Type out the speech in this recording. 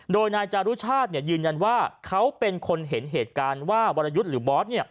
โดยนายจารุชาติยืนยันว่าเขาเป็นคนเห็นเหตุการณ์ว่าวรยุทธ์หรือบอส